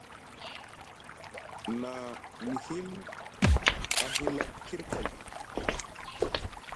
Na mihill a hila kir kay.